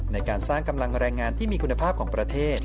ในการสร้างกำลังแรงงานที่มีคุณภาพของประเทศ